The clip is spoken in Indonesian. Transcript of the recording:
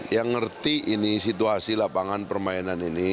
yang ngerti ini situasi lapangan permainan ini